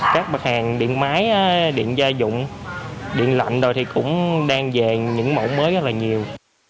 các mặt hàng điện máy điện gia dụng điện lạnh rồi thì cũng đang về những mẫu mới rất là nhiều